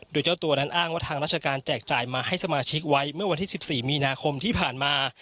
โดยเจ้าตัวนั้นอ้างว่าทางราชการแจกจ่ายมาให้สมาชิกไว้เมื่อวันที่๑๔มีนาคมที่ผ่านมา